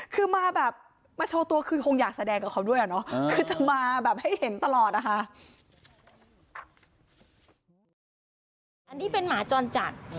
คือมาแบบมาโชว์ตัวคือคงอยากแสดงกับเขาด้วยหรอเนาะ